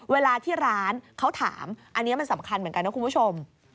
เวลาที่ร้านเขาถามอันนี้มันสำคัญเหมือนกันนะคุณผู้ชม